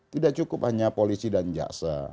tidak cukup hanya polisi dan jaksa